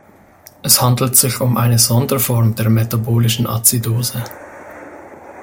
Es handelt sich um eine Sonderform der metabolischen Azidose.